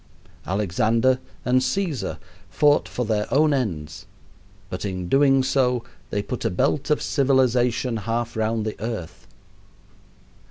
Alexander and Caesar fought for their own ends, but in doing so they put a belt of civilization half round the earth.